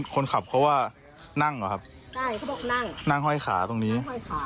คนขับเขาว่านั่งเหรอครับนั่งห้อยขาตรงนี้